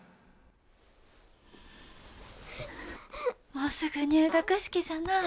もうすぐ入学式じゃなあ。